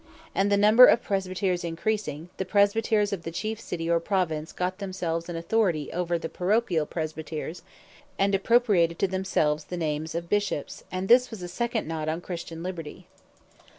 And the number of Presbyters encreasing, the Presbyters of the chief City or Province, got themselves an authority over the parochiall Presbyters, and appropriated to themselves the names of Bishops: And this was a second knot on Christian Liberty.